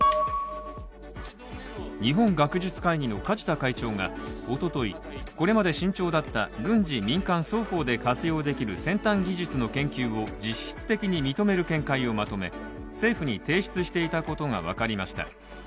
日本学術会議の梶田会長が一昨日、これまで慎重だった軍事・民間双方で活用できる先端技術の研究を実質的に認める見解をまとめ、政府に提出していたことがわかりました。